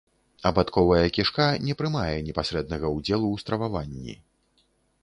Абадковая кішка не прымае непасрэднага ўдзелу ў страваванні.